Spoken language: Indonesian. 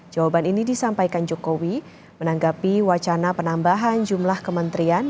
jawaban ini disampaikan jokowi menanggapi wacana penambahan jumlah kementerian